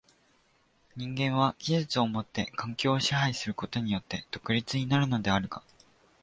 人間は技術をもって環境を支配することによって独立になるのであるが、